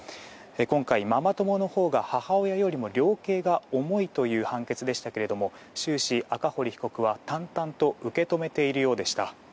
今回、ママ友のほうが母親よりも量刑が重いという判決でしたが終始、赤堀被告は淡々と受け止めているようでした。